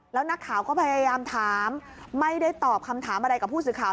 แล้วนักข่าวก็พยายามถามไม่ได้ตอบคำถามอะไรกับผู้สื่อข่าว